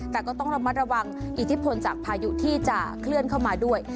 แต่ก็ต้องระมัดระวังอิทธิพลจากพายุที่จะเคลื่อนเข้ามาด้วย